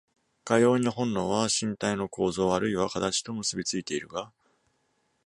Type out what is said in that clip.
かように本能は身体の構造あるいは形と結び付いているが、